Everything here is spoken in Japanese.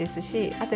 あと